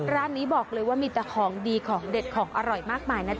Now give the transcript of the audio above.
ร้านนี้บอกเลยมีแต่ของดีของเด็ดหรืออร่อยมากมาย